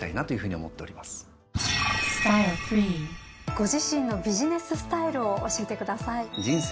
ご自身のビジネススタイルを教えてください。